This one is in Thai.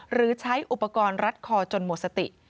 หรือใช้อุปกรณ์รัดคอจนหมดสติ